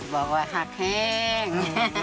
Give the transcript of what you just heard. บอกว่าหักแห้ง